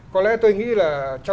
có lẽ tôi nghĩ là